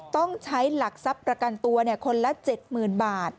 ต้องใช้หลักทรัพย์ประกันตัวคนละ๗๐๐๐บาท